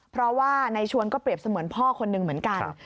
เพราะว่านายชวนก็เปรียบเสมือนพ่อคนหนึ่งเหมือนกัน